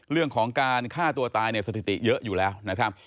เรื่องของการฆ่าตัวตายเนี่ยสถิติเยอะอยู่แล้วนะครับ